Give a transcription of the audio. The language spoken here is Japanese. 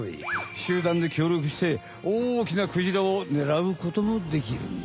集団できょうりょくしておおきなクジラをねらうこともできるんだ。